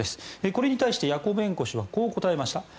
これに対してヤコベンコ氏はこう答えました。